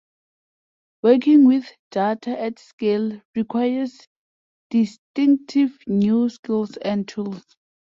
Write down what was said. Working with data at scale requires distinctive new skills and tools.